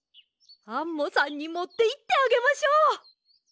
アンモさんにもっていってあげましょう。